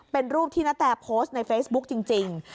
เป็นรูปที่ณแตโพสต์ในเฟซบุ๊กจริง